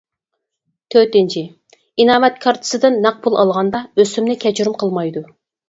تۆتىنچى، ئىناۋەت كارتىسىدىن نەق پۇل ئالغاندا ئۆسۈمنى كەچۈرۈم قىلمايدۇ.